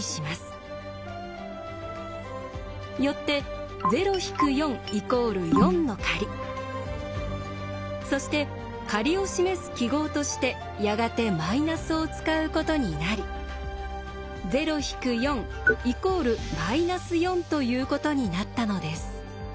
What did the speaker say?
よってそして借りを示す記号としてやがてマイナスを使うことになりということになったのです。